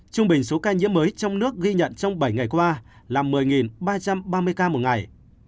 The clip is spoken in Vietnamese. trung bình số ca nhiễm mới trong nước ghi nhận trong bảy ngày qua là một mươi ba trăm ba mươi ca một ngày